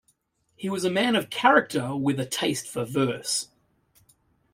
He was a man of character, with a taste for verse.